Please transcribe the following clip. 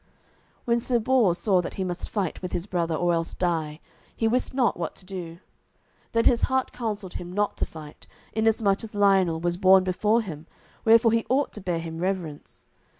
When Sir Bors saw that he must fight with his brother or else die, he wist not what to do. Then his heart counselled him not to fight, inasmuch as Lionel was born before him, wherefore he ought to bear him reverence.